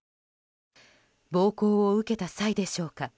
暴行を受けた際でしょうか